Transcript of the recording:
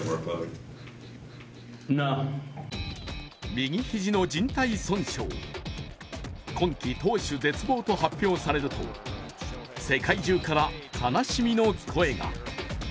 右肘のじん帯損傷、今季投手絶望と発表されると世界中から悲しみの声が。